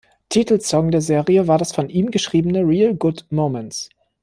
Titelsong der Serie war das von ihm geschriebene "Real Good Moments".